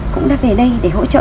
cũng đã về đây để hỗ trợ